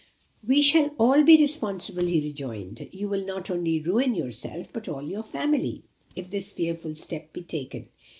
"We shall all be responsible!" he rejoined. "You will not only ruin yourself, but all your family, if this fearful step be taken.